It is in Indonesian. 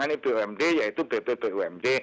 menangani bumd yaitu bbbumd